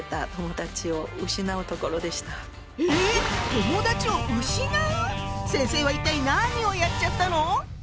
友だちを失う⁉先生は一体何をやっちゃったの？